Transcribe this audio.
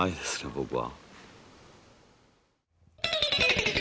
僕は。